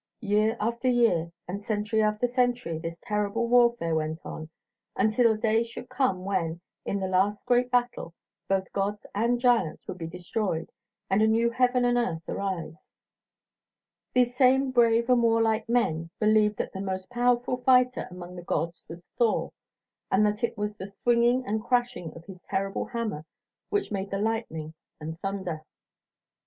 Year after year and century after century this terrible warfare went on until a day should come when, in a last great battle, both gods and giants would be destroyed and a new heaven and earth arise. These same brave and warlike men believed that the most powerful fighter among the gods was Thor, and that it was the swinging and crashing of his terrible hammer which made the lightning and thunder.